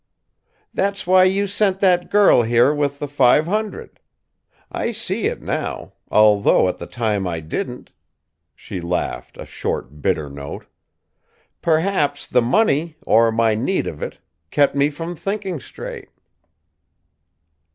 "That's why you sent that girl here with the five hundred. I see it now; although, at the time, I didn't." She laughed, a short, bitter note. "Perhaps, the money, or my need of it, kept me from thinking straight."